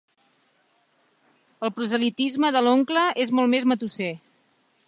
El proselitisme de l'oncle és molt més matusser.